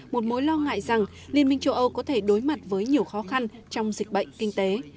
một mối lo ngại rằng liên minh châu âu có thể đối mặt với nhiều khó khăn trong dịch bệnh kinh tế